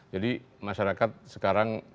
jadi masyarakat sekarang dalam suasana